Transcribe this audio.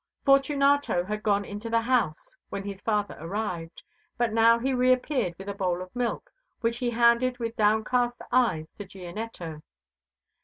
Fortunato had gone into the house when his father arrived, but now he reappeared with a bowl of milk which he handed with downcast eyes to Gianetto.